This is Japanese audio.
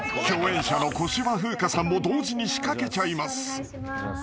［共演者の小芝風花さんも同時に仕掛けちゃいます］